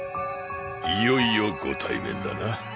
いよいよご対面だな銭